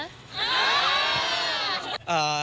ขา